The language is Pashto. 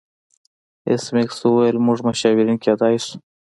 ایس میکس وویل چې موږ مشاورین کیدای شو